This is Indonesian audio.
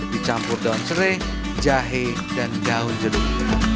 dicampur daun serai jahe dan daun jeruk